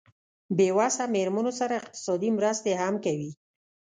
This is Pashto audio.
بې وسه مېرمنو سره اقتصادي مرستې هم کوي.